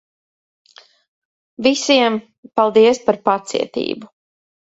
Visiem, paldies par pacietību.